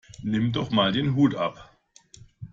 Nimm doch mal den Hut ab!